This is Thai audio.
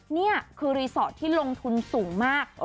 นี่คือรีสอร์ทที่ลงทุนสูงมาก